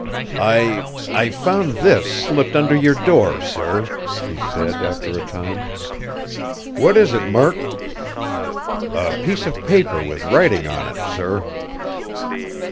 "I I found this slipped under your door, sir," he said, after a time. "What is it, Murk?" "A piece of paper with writing on it, sir."